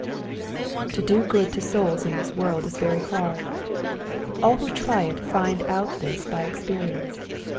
To do good to souls in this world is very hard. AU / who try it find out this by experience.